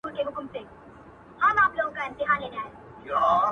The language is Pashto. چي یو ږغ کړي د وطن په نامه پورته!